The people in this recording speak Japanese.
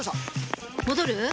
戻る？